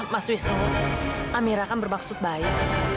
mas wisnu amira kan bermaksud baik